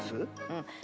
うん。